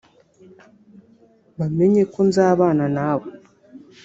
bamenye ko nzabana nawe